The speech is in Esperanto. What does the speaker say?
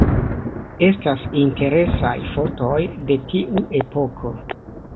Estas interesaj fotoj de tiu epoko.